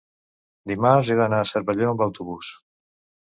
dimarts he d'anar a Cervelló amb autobús.